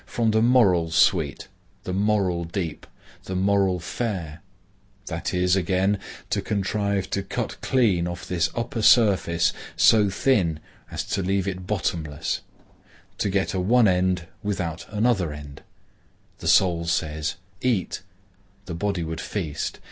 from the moral sweet, the moral deep, the moral fair; that is, again, to contrive to cut clean off this upper surface so thin as to leave it bottomless; to get a one end, without an other end. The soul says, 'Eat;' the body would feast.